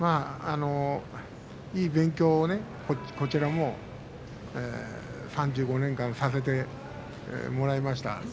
いい勉強をね、こちらも３５年間させてもらいました。